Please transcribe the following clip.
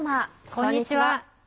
こんにちは。